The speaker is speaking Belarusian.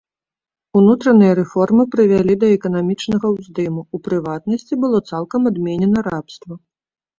Унутраныя рэформы прывялі да эканамічнага ўздыму, у прыватнасці, было цалкам адменена рабства.